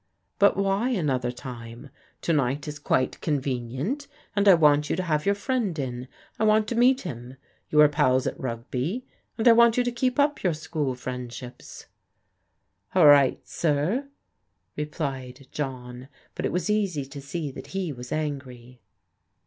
"But why another time? To night is quite conve nient, and I want you to have your friend in. I want to meet him. You were pals at Rugby, and I want you to keep up your school friendships." " All right, sir," replied John, but it v^as easy to see that he was angry.